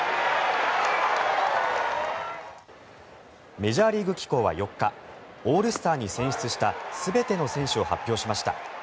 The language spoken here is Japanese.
メジャーリーグ機構は４日オールスターに選出した全ての選手を発表しました。